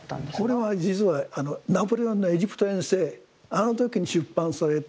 これは実はナポレオンのエジプト遠征あの時に出版された１８０７年の本です。